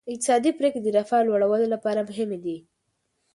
اقتصادي پریکړې د رفاه لوړولو لپاره مهمې دي.